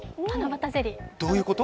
どういうこと？